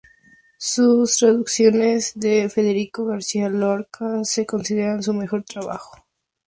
Sus traducciones de Federico García Lorca se consideran su mejor trabajo.